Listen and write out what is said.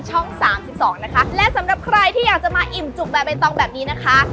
สามสิบสองนะคะและสำหรับใครที่อยากจะมาอิ่มจุกแบบใบตองแบบนี้นะคะ